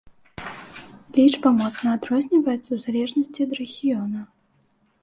Лічба моцна адрозніваецца ў залежнасці ад рэгіёна.